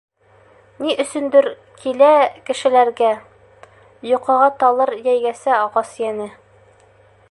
Ни өсөндөр килә кешеләргә Йоҡоға талыр йәйгәсә ағас йәне.